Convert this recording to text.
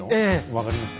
分かりました。